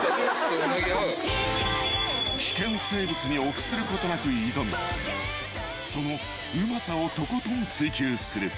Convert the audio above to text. ［危険生物に臆することなく挑みそのうまさをとことん追求する］